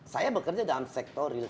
saya bekerja dalam sektor real